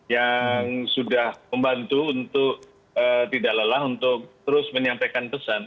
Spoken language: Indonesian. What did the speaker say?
yang sudah membantu untuk tidak lelah untuk terus menyampaikan pesan